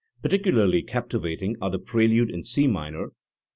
Particularly captivating are the prelude in C minor (p.